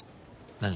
何？